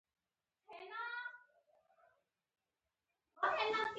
د نیت صداقت د ثواب سبب دی.